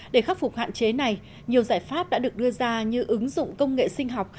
để khắc phục hạn chế này nhiều giải pháp đã được đưa ra như ứng dụng công nghệ sinh học